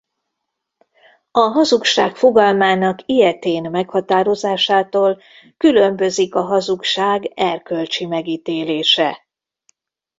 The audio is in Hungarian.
A hazugság fogalmának ilyetén meghatározásától különbözik a hazugság erkölcsi megítélése.